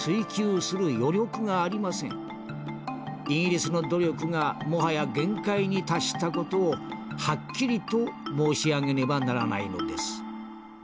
イギリスの努力がもはや限界に達した事をはっきりと申し上げねばならないのです」。